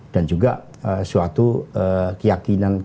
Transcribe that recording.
dan juga suatu keyakinan kita